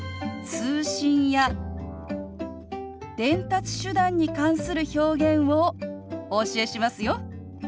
通信や伝達手段に関する表現をお教えしますよ。